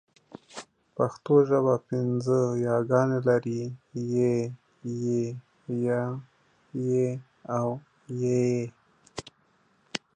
پښتو ژبه پینځه یاګانې لري: ی، ي، ئ، ې او ۍ